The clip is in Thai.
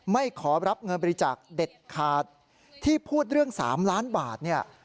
ไม่ขอรับเงินบริจาคเด็ดขาดที่พูดเรื่อง๓ล้านบาทเนี่ย